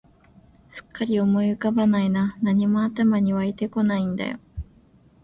すっかり思い浮かばないな、何も頭に湧いてこないんだよ